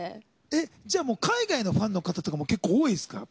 じゃあもう海外のファンの方とかも結構多いんですか？